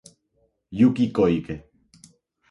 Yuki Koike